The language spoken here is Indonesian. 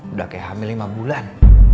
udah kayak hamil lima bulan